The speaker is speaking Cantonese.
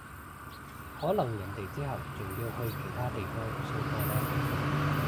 可能人哋之後仲要去其他地方掃貨呢